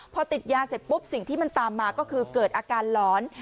พอติดยาเสร็จปุ๊บสิ่งที่มันตามมาก็คือเกิดอาการหลอน